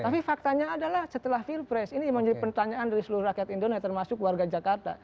tapi faktanya adalah setelah pilpres ini menjadi pertanyaan dari seluruh rakyat indonesia termasuk warga jakarta